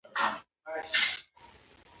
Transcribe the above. سلیمان غر د افغانستان د اقلیم ځانګړتیا ده.